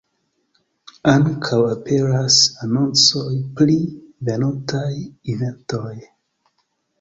Ankaŭ aperas anoncoj pri venontaj eventoj.